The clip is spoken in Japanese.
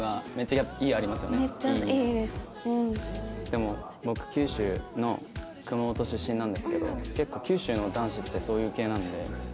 でも僕九州の熊本出身なんですけど九州の男子ってそういう系なんで。